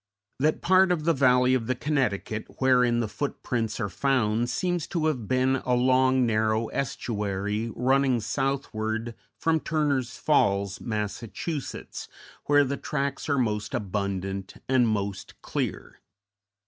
That part of the Valley of the Connecticut wherein the footprints are found seems to have been a long, narrow estuary running southward from Turner's Falls, Mass., where the tracks are most abundant and most clear.